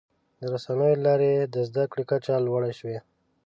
د رسنیو له لارې د زدهکړې کچه لوړه شوې.